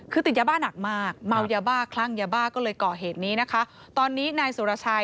คือติดยาบ้าหนักมากเมายาบ้าคลั่งยาบ้าก็เลยก่อเหตุนี้นะคะ